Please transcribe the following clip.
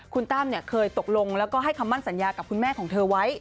คุณตั้มเคยตกลงแล้วก็ให้คำมั่นสัญญากับคุณแม่ของเธอไว้